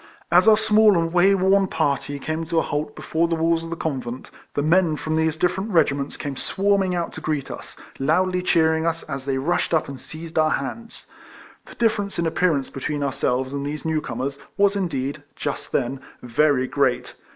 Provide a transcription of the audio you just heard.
As our small and way worn party came to a halt before the walls of the convent, the men from these different regiments came swarming out to greet us, loudly cheering us as they rushed up and seized our hands. The difference in appearance between our selves and these new comers was indeed (just then) very great.